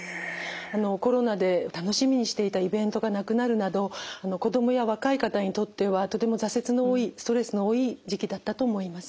コロナで楽しみにしていたイベントがなくなるなど子供や若い方にとってはとても挫折の多いストレスの多い時期だったと思います。